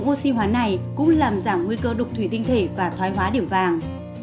oxy hóa này cũng làm giảm nguy cơ đục thủy tinh thể và thoái hóa điểm vàng